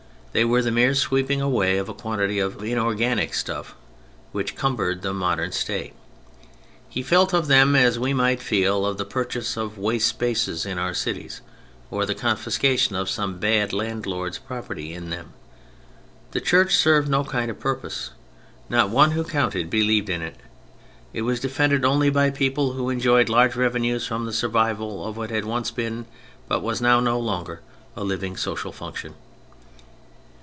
They were the mere sweeping away of a quantity of inorganic stuff which cumbered the modern State. He felt of them as we might feel of the purchase of waste spaces in our cities, or the confiscation of some bad landlords' property in them. The Church served no kind of purpose, no one who counted believed in it, it was defended only by people who enjoyed large revenues from the survival of what had once been, but was now no longer, a living, social function.